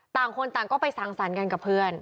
ต่างคนต่างก็ไปสั่งสรรค์กันกับเพื่อน